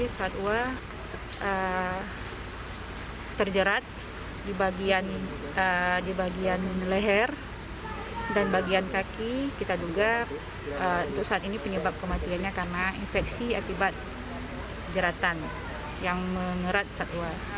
satwa terjerat di bagian leher dan bagian kaki kita duga untuk saat ini penyebab kematiannya karena infeksi akibat jeratan yang mengerat satwa